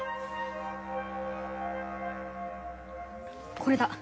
これだ。